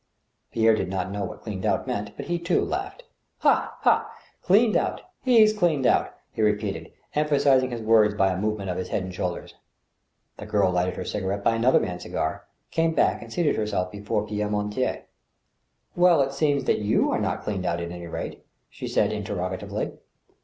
Pierre did not know what " cleaned out " meant, but he, too, laughed. " Ha ! ha ! cleaned out ! He's cleaned out I " he repeated, em phasizing his words by a movement of his head and shoulders. The girl lighted her cigarette by another man's cigar, came back and seated herself before Pierre Mortier, " Well, it seems iiaaXymt are not cleaned out, at any rate ?" she said, interrogatively.